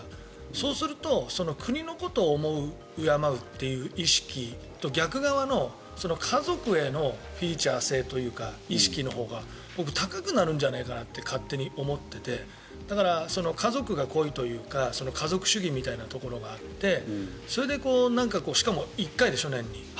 そうすると、国のことを思う敬うっていう意識と逆側の家族へのフィーチャー性というか意識のほうが高くなるんじゃないかなって勝手に思っていてだから、家族が濃いというか家族主義みたいなところがあってそれでしかも１回でしょ、年に。